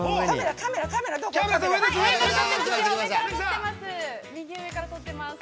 ◆カメラカメラ、どこ。